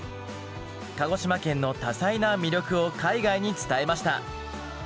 鹿児島県の多彩な魅力を海外に伝えました。